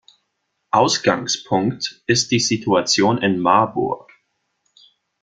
Ausgangspunkt ist die Situation in Marburg.